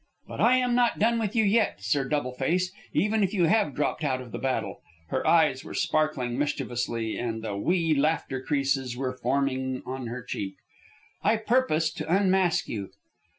"But I am not done with you yet, Sir Doubleface, even if you have dropped out of the battle." Her eyes were sparkling mischievously, and the wee laughter creases were forming on her cheek. "I purpose to unmask you."